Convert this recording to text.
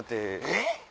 えっ？